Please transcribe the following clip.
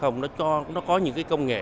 nó có những công nghệ